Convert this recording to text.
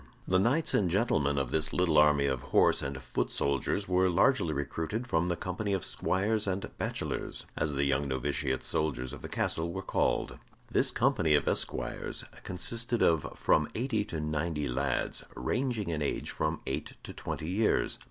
The knights and gentlemen of this little army of horse and foot soldiers were largely recruited from the company of squires and bachelors, as the young novitiate soldiers of the castle were called. This company of esquires consisted of from eighty to ninety lads, ranging in age from eight to twenty years.